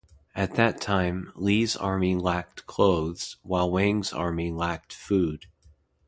At that time, Li's army lacked clothes, while Wang's army lacked food.